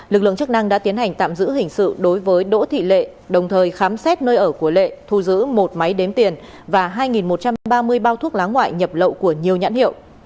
lực lượng chức năng đã tiến hành tạm giữ hình sự đối với đỗ thị lệ đồng thời khám xét nơi ở của lệ thu giữ một máy đếm tiền và hai một trăm ba mươi bao thuốc lá ngoại nhập lậu của nhiều nhãn hiệu